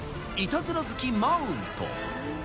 いたずら好き、マウント。